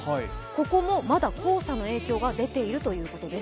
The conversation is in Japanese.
ここもまだ黄砂の影響が出ているということです。